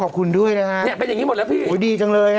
อ๋อขอบคุณด้วยนะครับโอ้ยดีจังเลย